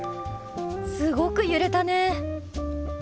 すごく揺れたね。